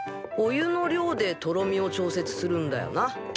お湯の量でとろみを調節するんだよな。